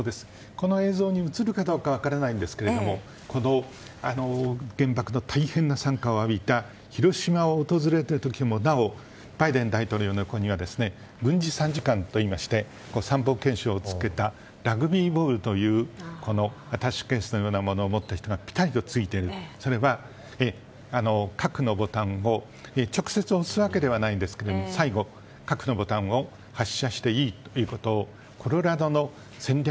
映像に映るかどうか分かりませんが原爆のたいへんな惨禍を浴びた広島を訪れる時もなおバイデン大統領の横には軍事参事官と言いましてラグビーボールというアタッシェケースのようなものを持った人がぴたりとついているそれは核のボタンを直接押すわけではないんですが最後、核のボタンを発射していいということをコロラドの戦略